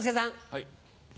はい。